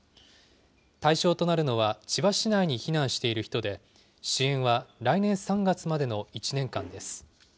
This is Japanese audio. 対象となるのは千葉市内に避難している人で、支援は来年３月までの１年間です。